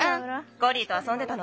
コリーとあそんでたの？